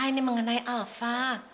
ini mengenai alva